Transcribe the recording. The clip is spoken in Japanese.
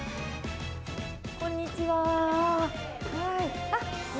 こんにちは。